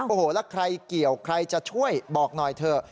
โอ้โหแล้วใครเกี่ยวใครจะช่วยบอกหน่อยเถอะ